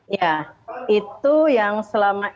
ya itu yang selama